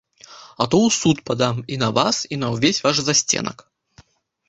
А то ў суд падам і на вас і на ўвесь ваш засценак.